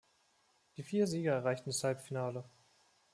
Die vier Sieger erreichten das Halbfinale.